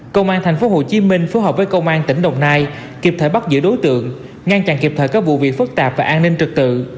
công an tp hcm phối hợp với công an tỉnh đồng nai kịp thời bắt giữ đối tượng ngăn chặn kịp thời các vụ việc phức tạp và an ninh trực tự